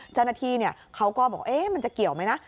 เจ้าหน้าที่เนี่ยเค้าก็บอกเอ๊ะมันจะเกี่ยวไหมนะ